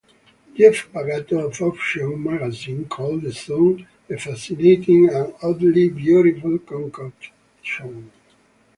Jeff Bagato of "Option" magazine called the song "a fascinating and oddly beautiful concoction".